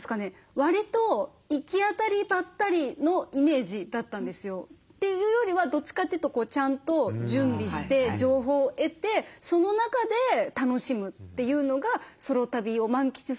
わりと行き当たりばったりのイメージだったんですよ。というよりはどっちかというとちゃんと準備して情報を得てその中で楽しむというのがソロ旅を満喫するすべかなと思いましたね。